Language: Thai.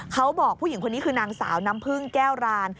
เขาบอกผู้หญิงคนนี้คือนางสาวน้ำพึ่งแก้วราน